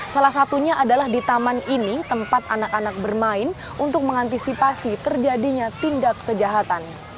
salah satunya adalah di taman ini tempat anak anak bermain untuk mengantisipasi terjadinya tindak kejahatan